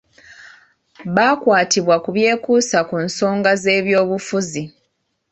Baakwatibwa ku byekuusa ku nsonga z’ebyobufuzi .